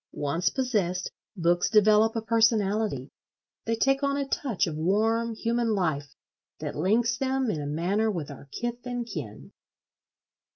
Once possessed, books develop a personality: they take on a touch of warm human life that links them in a manner with our kith and kin.